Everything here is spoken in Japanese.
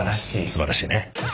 すばらしいね。